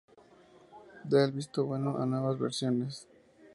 da el visto bueno a nuevas versiones